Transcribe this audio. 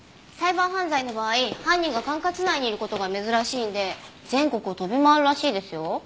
サイバー犯罪の場合犯人が管轄内にいる事が珍しいんで全国を飛び回るらしいですよ。